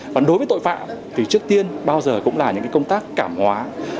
còn đối với tội phạm thì trước tiên bao giờ cũng là những công tác cảm hóa